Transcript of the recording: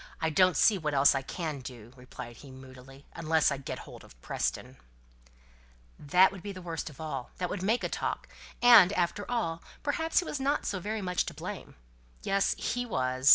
"I don't see what else I can do," replied he moodily, "unless I get hold of Preston." "That would be the worst of all. That would make a talk. And, after all, perhaps he was not so very much to blame. Yes! he was.